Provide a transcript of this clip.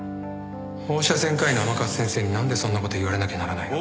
放射線科医の甘春先生に何でそんなこと言われなきゃならないの